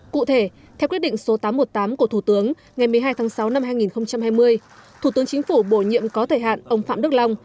cụ thể theo quyết định số tám trăm một mươi tám của thủ tướng ngày một mươi hai tháng sáu năm hai nghìn hai mươi thủ tướng chính phủ bổ nhiệm có thời hạn ông phạm đức long